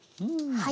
はい。